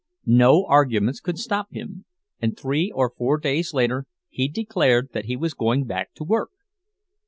No arguments could stop him, and three or four days later he declared that he was going back to work.